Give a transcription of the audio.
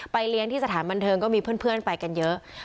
เลี้ยงที่สถานบันเทิงก็มีเพื่อนไปกันเยอะ